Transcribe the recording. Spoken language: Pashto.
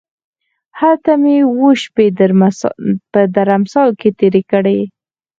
هلته مې اووه شپې په درمسال کې تېرې کړې.